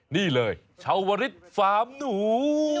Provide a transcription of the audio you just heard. นี่เลยชาววริสต์ฝามหนู